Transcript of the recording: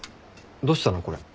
どうしたのこれ。